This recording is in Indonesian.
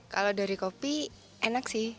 kalau dari kopi enak sih